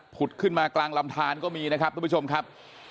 ขึ้นมากลางลำทานก็มีนะครับทุกผู้ชมครับ